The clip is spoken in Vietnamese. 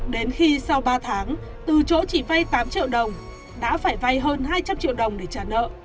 đến khi sau ba tháng từ chỗ chỉ vay tám triệu đồng đã phải vay hơn hai trăm linh triệu đồng để trả nợ